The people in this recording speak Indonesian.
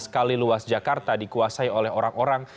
lima belas kali luas jakarta dikuasai oleh orang orang